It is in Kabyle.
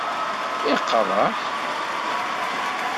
Iqeṛṛeḥ!